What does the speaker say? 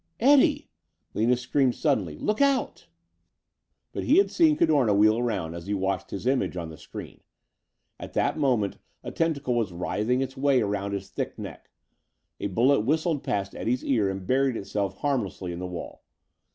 "Eddie!" Lina screamed suddenly. "Look out!" But he had seen Cadorna wheel around as he watched his image on the screen. At that moment a tentacle was writhing its way around his thick neck. A bullet whistled past Eddie's ear and buried itself harmlessly in the wall.